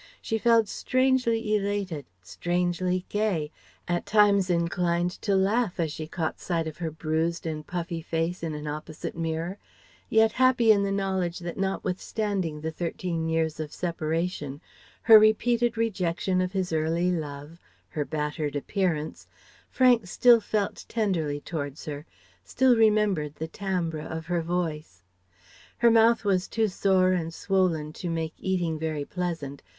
She felt strangely elated, strangely gay, at times inclined to laugh as she caught sight of her bruised and puffy face in an opposite mirror, yet happy in the knowledge that notwithstanding the thirteen years of separation, her repeated rejection of his early love, her battered appearance, Frank still felt tenderly towards her, still remembered the timbre of her voice. Her mouth was too sore and swollen to make eating very pleasant.